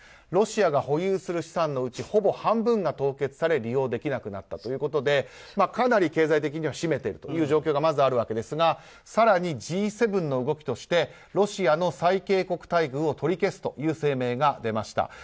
ロシアが保有する資産のうちほぼ半分が凍結され利用できなくなったということでかなり経済的には締めている状況がありますが更にＧ７の動きとしてロシアの最恵国待遇を取り消すという声明が出ました。